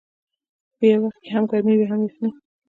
په یو وخت کې هم ګرمي وي هم یخني.